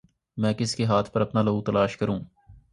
میں کس کے ہاتھ پر اپنا لہو تلاش کروں